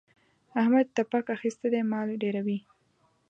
احمد تپاک اخيستی دی؛ مال ډېروي.